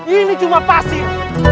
ini cuma pasir